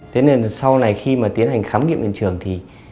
thế nên sau này khi mà tiến hành khám nghiệm hiện trường thì